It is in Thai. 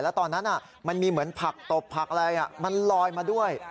แล้วตอนนั้นมันมีเหมือนผักตบผักอะไรมันลอยมาด้วย